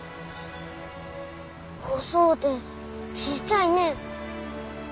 細うてちいちゃいね。